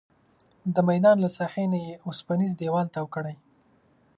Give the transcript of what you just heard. د میدان له ساحې نه یې اوسپنیز دیوال تاو کړی.